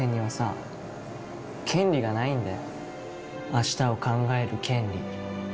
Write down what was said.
明日を考える権利。